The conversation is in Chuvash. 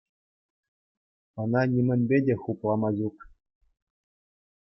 Ӑна нимӗнпе те хуплама ҫук.